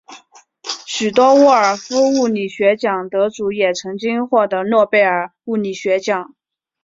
许多沃尔夫物理学奖得主也曾经获得诺贝尔物理学奖。